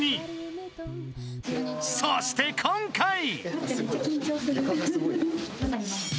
［そして今回］